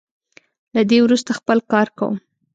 له دې وروسته خپل کار کوم.